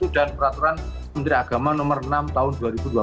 dan peraturan menteri agama nomor enam tahun dua ribu dua puluh satu